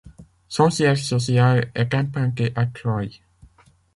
Son siège social est implanté à Troyes.